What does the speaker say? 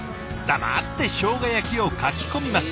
黙ってしょうが焼きをかき込みます。